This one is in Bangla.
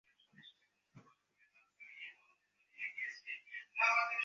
মধুসূদন বুঝলে শ্যামাসুন্দরীর খবরটা কানে এসেছে, এটা অভিমান।